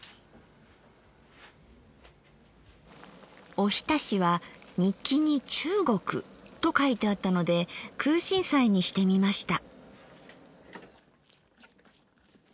おひたしは日記に「中国」と書いてあったので空心菜にしてみました。